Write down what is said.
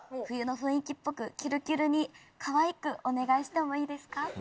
冬の雰囲気っぽくキュルキュルにかわいくお願いしてもいいですか？